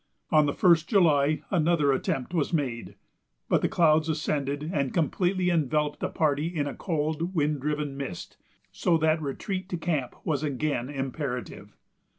On the 1st July another attempt was made, but the clouds ascended and completely enveloped the party in a cold, wind driven mist so that retreat to camp was again imperative.